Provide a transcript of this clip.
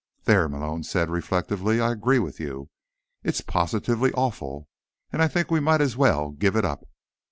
"There," Malone said reflectively, "I agree with you. It's positively awful. And I think we might as well give it up.